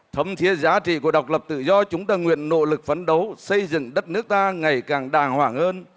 thâm thiế giá trị của độc lập tự do chúng ta nguyện nỗ lực phấn đấu xây dựng đất nước ta ngày càng đàng hoàng hơn